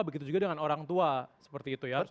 begitu juga dengan orang tua seperti itu ya